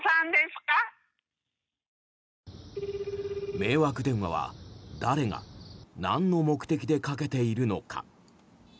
迷惑電話は、誰がなんの目的でかけているのか。